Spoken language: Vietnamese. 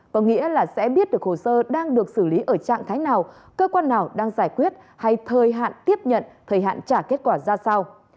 có nghĩa là sẽ biết được hồ sơ đang được xử lý ở trạng thái nào cơ quan nào đang giải quyết hay thời hạn tiếp nhận thời hạn trả kết quả ra sao